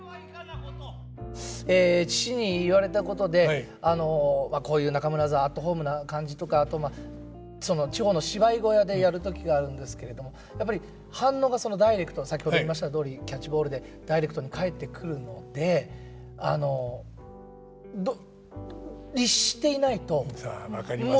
父に言われたことでこういう中村座アットホームな感じとかあと地方の芝居小屋でやる時があるんですけれどもやっぱり反応がダイレクト先ほど言いましたとおりキャッチボールでダイレクトに返ってくるのであのああ分かりますね。